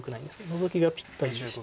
ノゾキがぴったりでして。